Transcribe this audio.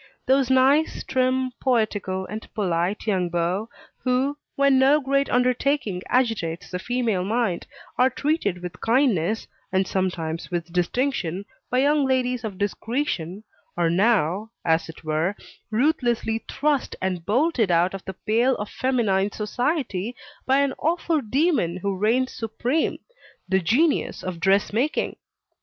Those nice, trim, poetical, and polite young beaux, who, when no great undertaking agitates the female mind, are treated with kindness, and sometimes with distinction, by young ladies of discretion, are now, as it were, ruthlessly thrust and bolted out of the pale of feminine society by an awful demon who reigns supreme, the Genius of Dress making.